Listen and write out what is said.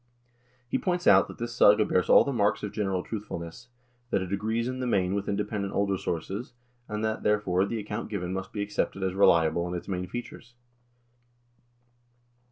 He points out that this saga bears all the marks of general truthfulness, that it agrees in the main with independent older sources, and that, therefore, the account given must be accepted as reliable in its main features.